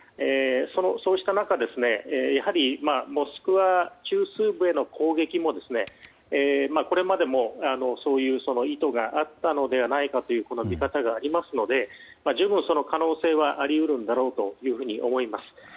そうした中やはりモスクワ中枢部への攻撃もこれまでもそういう意図があったのではないかという見方がありますので十分、可能性はあり得るんだろうと思います。